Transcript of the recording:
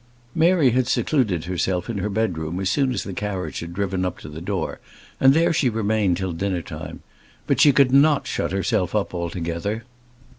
Mary had secluded herself in her bedroom as soon as the carriage had driven up to the door, and there she remained till dinner time. But she could not shut herself up altogether.